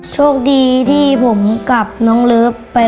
โชคดีที่ผมกับน้องลูก